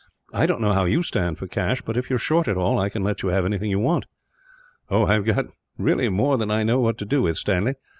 I don't know how you stand for cash but, if you are short at all, I can let you have anything that you want." "I have got really more than I know what to do with, Stanley.